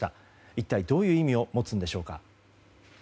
一体どういう意味を持つのでしょうか。